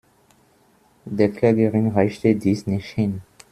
Der Klägerin reichte dies nicht hin.